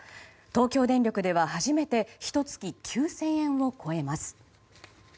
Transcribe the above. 東京電力では初めてひと月９０００円を超えます。